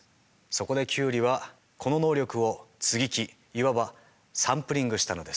そこでキュウリはこの能力を接ぎ木いわばサンプリングしたのです。